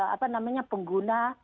apa namanya pengguna